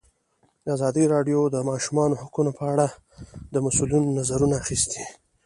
ازادي راډیو د د ماشومانو حقونه په اړه د مسؤلینو نظرونه اخیستي.